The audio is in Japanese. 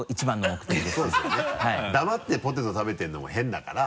黙ってポテト食べてるのも変だから。